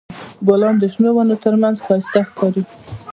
ګلان د شنو ونو تر منځ ښایسته ښکاري.